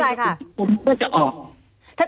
ถ้าเป็นความกลมก็จะออก